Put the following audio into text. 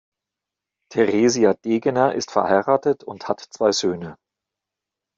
Theresia Degener ist verheiratet und hat zwei Söhne.